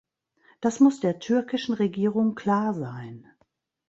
Das muss der türkischen Regierung klar sein!